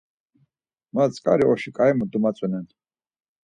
Ma tzǩari oşu ǩai domatzonen.